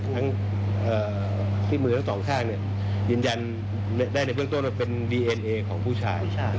ทั้งที่มือทั้งสองข้างยืนยันได้ในเบื้องต้นว่าเป็นดีเอ็นเอของผู้ชาย